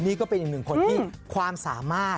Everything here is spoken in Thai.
นี่ก็เป็นอีกหนึ่งคนที่ความสามารถ